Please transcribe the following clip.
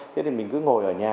thế thì mình cứ ngồi ở nhà